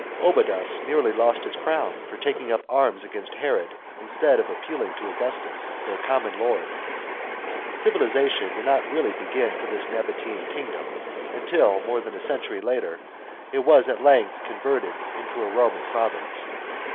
Obodas nearly lost his crown for taking up arms against Herod, instead of appealing to Augustus, their common lord. Civilisation did not really begin for this Nabatean kingdom, until, more than a century later, it was at length converted into a Roman province.